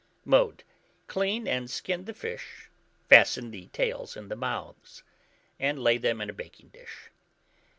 Mode. Clean and skin the fish, fasten the tails in the mouths; and lay them in a baking dish.